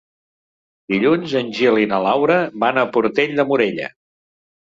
Dilluns en Gil i na Laura van a Portell de Morella.